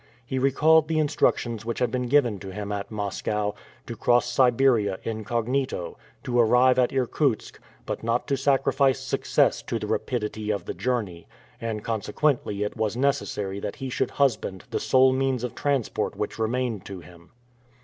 He recalled the instructions which had been given to him at Moscow to cross Siberia incognito, to arrive at Irkutsk, but not to sacrifice success to the rapidity of the journey; and consequently it was necessary that he should husband the sole means of transport which remained to him.